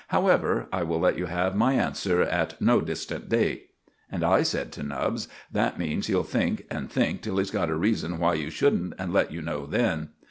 However, I will let you have my answer at no distant date." And I said to Nubbs: "That means he'll think and think till he's got a reason why you shouldn't, and let you know then."